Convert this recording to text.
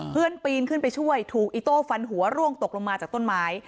ปีนขึ้นไปช่วยถูกอิโต้ฟันหัวร่วงตกลงมาจากต้นไม้